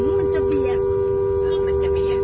มันจะเบียบ